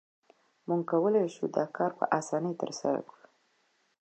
موږ کولای شو دا کار په اسانۍ ترسره کړو